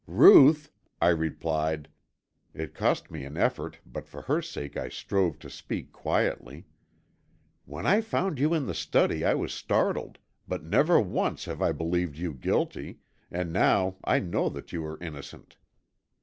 "Ruth," I replied it cost me an effort but for her sake I strove to speak quietly "when I found you in the study I was startled, but never once have I believed you guilty, and now I know that you are innocent."